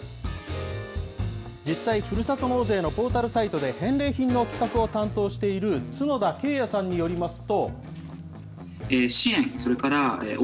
実際、ふるさと納税のポータルサイトで返礼品の企画を担当している角田圭也さんによりますと。